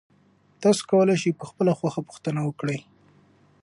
تاسي کولای شئ په خپله خوښه پوښتنه وکړئ.